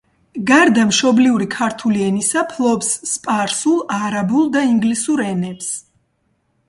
გარდა მშობლიური ქურთული ენისა ფლობს სპარსულ, არაბულ და ინგლისურ ენებს.